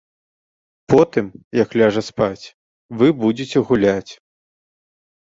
Потым, як ляжа спаць, вы будзеце гуляць.